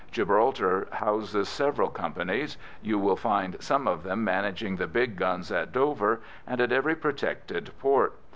Gibraltar houses several companies; you will find some of them managing the big guns at Dover, and at every protected port.